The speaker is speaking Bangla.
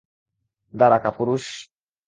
দাঁড়া, কাপুরুষ!